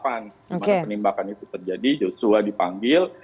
kemana penembakan itu terjadi joshua dipanggil